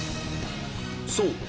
そう！